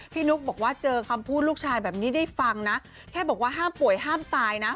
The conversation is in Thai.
นุ๊กบอกว่าเจอคำพูดลูกชายแบบนี้ได้ฟังนะแค่บอกว่าห้ามป่วยห้ามตายนะ